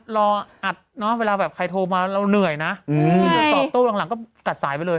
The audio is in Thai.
รออัดเนอะเวลาแบบใครโทรมาเราเหนื่อยนะตอบโต้หลังก็ตัดสายไปเลย